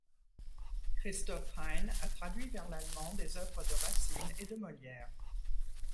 Christoph Hein a traduit vers l'allemand des œuvres de Racine et de Molière.